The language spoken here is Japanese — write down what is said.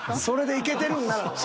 それでいけてるんなら。